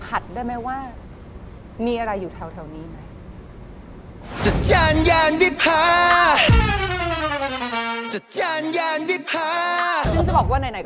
ได้ไหมว่ามีอะไรอยู่แถวนี้ไหม